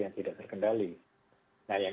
yang tidak terkendali nah yang